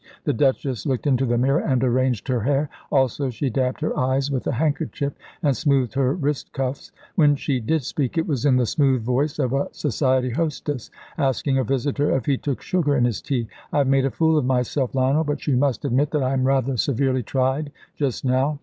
The Duchess looked into the mirror and arranged her hair; also she dabbed her eyes with a handkerchief, and smoothed her wrist cuffs. When she did speak it was in the smooth voice of a society hostess asking a visitor if he took sugar in his tea. "I have made a fool of myself, Lionel. But you must admit that I am rather severely tried just now."